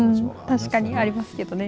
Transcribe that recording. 確かにありますけどね。